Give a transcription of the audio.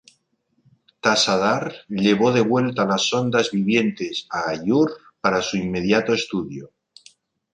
Tassadar llevó de vuelta las sondas vivientes a Aiur para su inmediato estudio.